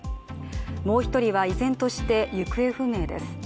もう１人は依然として行方不明です。